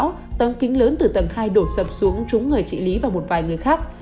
sau đó tầng kính lớn từ tầng hai đổ sập xuống trúng người trị lý và một vài người khác